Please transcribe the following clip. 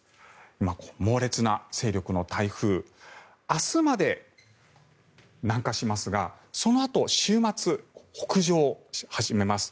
今、猛烈な勢力の台風明日まで南下しますがそのあと、週末北上を始めます。